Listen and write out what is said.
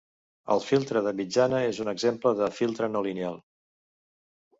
El filtre de mitjana és un exemple de filtre no lineal.